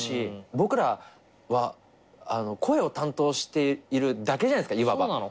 僕らは声を担当しているだけじゃないですかいわば。